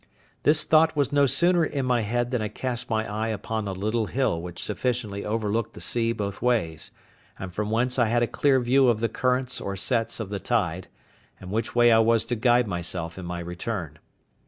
This thought was no sooner in my head than I cast my eye upon a little hill which sufficiently overlooked the sea both ways, and from whence I had a clear view of the currents or sets of the tide, and which way I was to guide myself in my return.